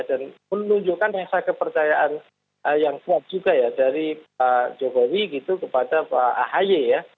dan menunjukkan rasa kepercayaan yang kuat juga ya dari pak jokowi gitu kepada pak ahi ya